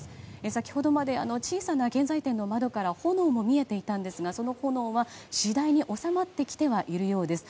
先ほどまで小さな建材店の窓から炎も見えていたんですがその炎は次第に収まってきてはいるようです。